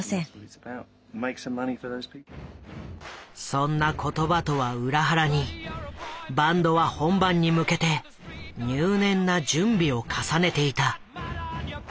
そんな言葉とは裏腹にバンドは本番に向けて入念な準備を重ねていた。